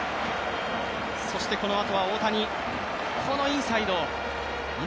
そしてこのあとは大谷、このインサイド。